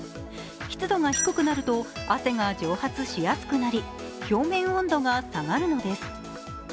湿度が低くなると汗が蒸発しやすくなり、表面温度が下がるのです。